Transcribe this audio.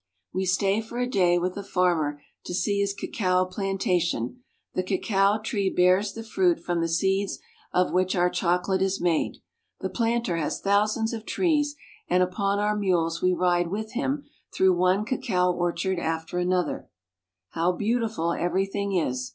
We stay for a day with a farmer to see his cacao planta tion. The cacao tree bears the fruit from the seeds of which our chocolate is made. The planter has thousands of trees, and upon our mules we ride with him ^^^° through one cacao orchard after another. How beautiful everything is!